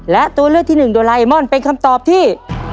และตัวเลือกที่หนึ่งโดไลมอนเป็นคำตอบที่